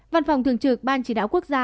văn phòng thường trực ban chỉ đạo quốc gia